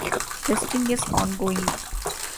Testing is ongoing.